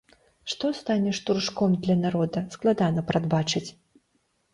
Што стане штуршком для народа, складана прадбачыць.